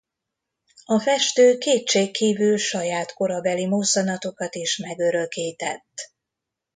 A festő kétségkívül saját korabeli mozzanatokat is megörökített.